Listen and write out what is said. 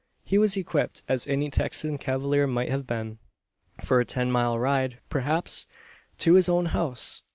He was equipped, as any Texan cavalier might have been, for a ten mile ride perhaps to his own house.